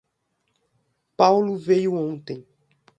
Paulo veio ontem.